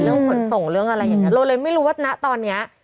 ขนส่งเรื่องอะไรอย่างนี้เราเลยไม่รู้ว่าณตอนเนี้ย